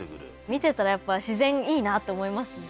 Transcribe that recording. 見てたらやっぱ自然いいなと思いますね。